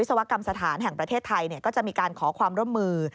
ศวกรรมสถานแห่งประเทศไทยก็จะมีการขอความร่วมมือ